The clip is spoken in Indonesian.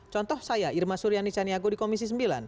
contoh saya irma suryani caniago di komisi sembilan